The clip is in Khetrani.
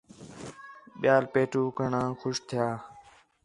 ٻِیال پیٹھو گھݨاں خوش تِھیا